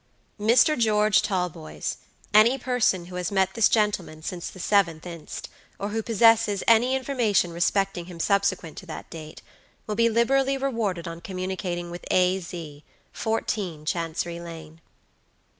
"Mr. George Talboys.Any person who has met this gentleman since the 7th inst., or who possesses any information respecting him subsequent to that date, will be liberally rewarded on communicating with A.Z., 14 Chancery Lane."